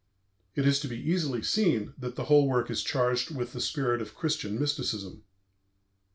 It is to be easily seen that the whole work is charged with the spirit of Christian mysticism."